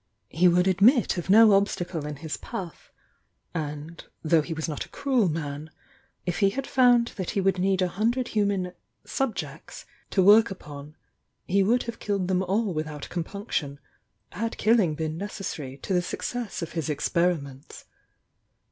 He would admit of no obstacle in his path, and tiiough he was not a cruel man, if he had found that he would need a hundred human "subjects" to work upon, he would have killed them all without com punction, had killing been necessary to the success of his experiments.